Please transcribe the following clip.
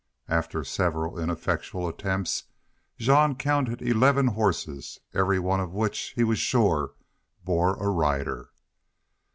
After several ineffectual attempts Jean counted eleven horses, every one of which he was sure bore a rider.